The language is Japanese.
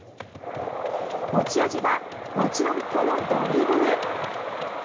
持ち味はもちろんこのドリブル！